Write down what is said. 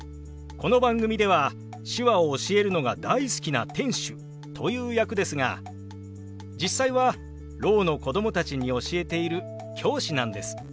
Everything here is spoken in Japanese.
この番組では手話を教えるのが大好きな店主という役ですが実際はろうの子供たちに教えている教師なんです。